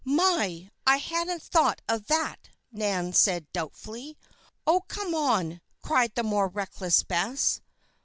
"My! I hadn't thought of that," Nan said doubtfully. "Oh, come on," cried the more reckless Bess.